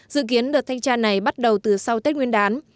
dự kiến đợt thanh tra này bắt đầu từ sau tết nguyên đán